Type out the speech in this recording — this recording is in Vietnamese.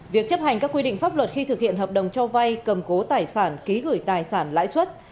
việc chấp hành các quy định pháp luật khi thực hiện hợp đồng cho vay cầm cố tài sản ký gửi tài sản lãi suất